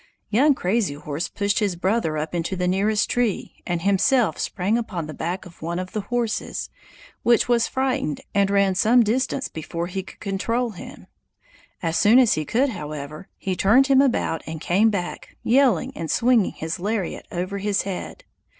Young Crazy Horse pushed his brother up into the nearest tree and himself sprang upon the back of one of the horses, which was frightened and ran some distance before he could control him. As soon as he could, however, he turned him about and came back, yelling and swinging his lariat over his head.